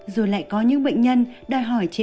rồi lại có những bệnh nhân đòi hỏi trịnh